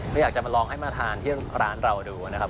ไม่อยากจะมาลองให้มาทานที่ร้านเราดูนะครับ